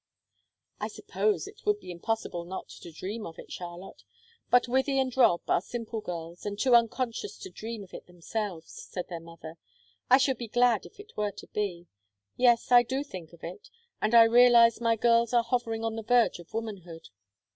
"I suppose it would be impossible not to dream of it, Charlotte, but Wythie and Rob are simple girls, and too unconscious to dream of it themselves," said their mother. "I should be glad if it were to be. Yes, I do think of it, and I realize my girls are hovering on the verge of womanhood.